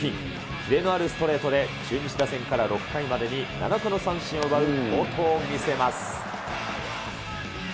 キレのあるストレートで、中日打線から６回までに７個の三振を奪う好投を見せます。